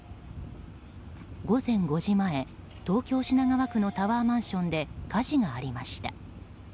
午前５時前、東京・品川区のタワーマンションで火事がありました。